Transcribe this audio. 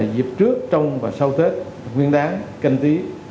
dịp trước trong và sau tết nguyên đáng canh tí